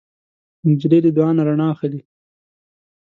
نجلۍ له دعا نه رڼا اخلي.